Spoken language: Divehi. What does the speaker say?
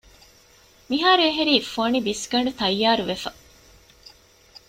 މިހާރު އެހެރީ ފޮނި ބިސްގަނޑު ތައްޔާރުވެފަ